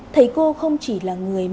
thầy cô không chỉ là người đàn ông